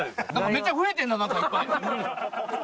めっちゃ増えてんな何かいっぱい。